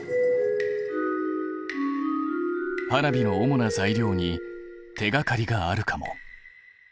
花火の主な材料に手がかりがあるかも。